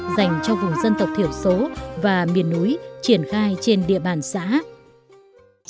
dành cho vùng dân tộc thiểu số và miền bắc